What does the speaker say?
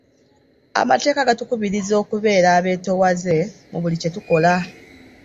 Amateeka gatukubiriza kubeera beetoowaze mu buli kye tukola.